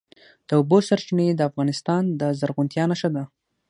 د اوبو سرچینې د افغانستان د زرغونتیا نښه ده.